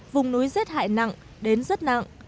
vùng núi rét hải nặng đến rất nắng